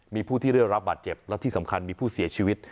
มีผู้ที่ได้รับบาดเจ็บและที่สำคัญมีผู้เสียชีวิต